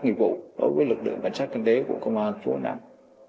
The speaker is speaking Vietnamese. nghiệp vụ đối với lực lượng cảnh sát kinh tế của công an thành phố hà nẵng